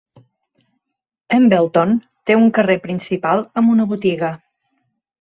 Embleton té un carrer principal amb una botiga.